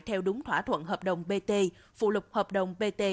theo đúng thỏa thuận hợp đồng bt phụ lục hợp đồng bt